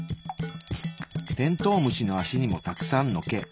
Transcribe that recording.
テントウムシの足にもたくさんの毛。